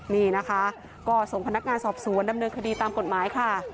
นี่นะคะก็ส่งพนักงานสอบสวนดำเนินคดีตามกฎหมายค่ะ